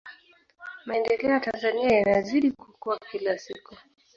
maendeleo ya tanzania yanazidi kukua kila siku